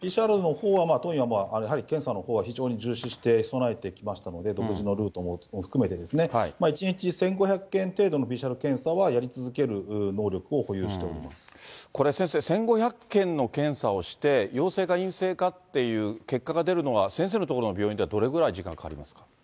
ＰＣＲのほうは、当院はやはり検査のほうは非常に重視して、備えてきましたので、独自のルートも含めてですね、１日１５００件程度のＰＣＲ検査はやり続ける能力は保有していまこれ先生、１５００件の検査をして、陽性か陰性かっていう結果が出るのは、先生のところの病院ではどれぐらい時間かかりますか。